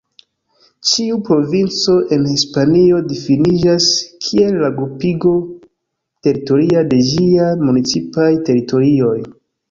Ĉiu provinco en Hispanio difiniĝas kiel la grupigo teritoria de ĝiaj municipaj teritorioj.